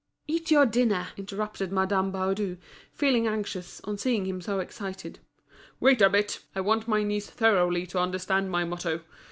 '" "Eat your dinner!" interrupted Madame Baudu, feeling anxious, on seeing him so excited. "Wait a bit, I want my niece thoroughly to understand my motto.